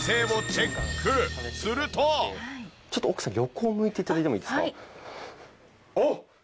ちょっと奥さん横を向いて頂いてもいいですか？